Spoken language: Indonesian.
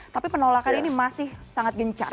tapi penolakan ini masih sangat gencar